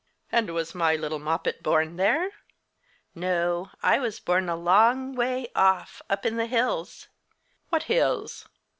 "And was my little Moppet born there?" "No; I was born a long, long way off up in the hills." "What hills?"